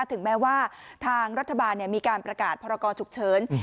ถึงแม้ว่าทางรัฐบาลมีการประกาศพรกรฉุกเฉิน